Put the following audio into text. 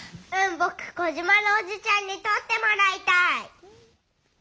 ぼくコジマのおじちゃんにとってもらいたい。